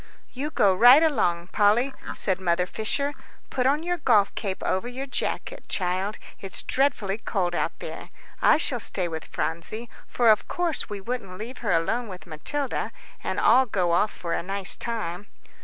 "You go right along, Polly," said Mother Fisher. "Put on your golf cape over your jacket, child, it's dreadfully cold out there. I shall stay with Phronsie, for of course we wouldn't leave her alone with Matilda, and all go off for a nice time."